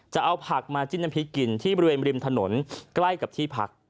จะเอาผักมาจิ้มน้ำพริกกินที่บริเวณริมถนนใกล้กับที่พัก